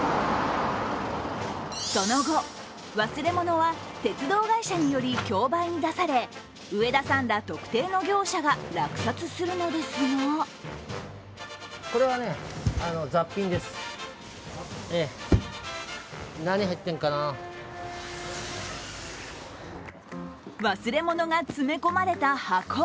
その後、忘れ物は鉄道会社により競売に出され上田さんら特定の業者が落札するのですが忘れ物が詰め込まれた箱。